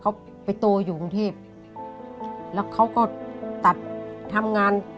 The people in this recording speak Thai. เขาไปโตอยู่กรุงเทพแล้วเขาก็ตัดทำงาน